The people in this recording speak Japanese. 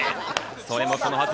それもそのはず